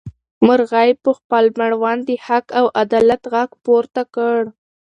مرغۍ په خپل مړوند د حق او عدالت غږ پورته کړ.